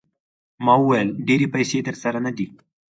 ما وویل ډېرې پیسې درسره نه دي.